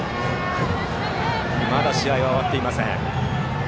まだ試合は終わっていません。